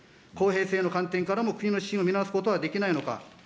公平性の観点からも、国の支援を見直すことはできないのか。